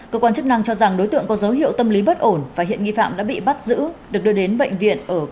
cơ quan chức năng cho rằng đối tượng có dấu hiệu tâm lý bất ổn và hiện nghi phạm đã bị bắt giữ được đưa đến bệnh viện ở kolonier để giám định tâm thần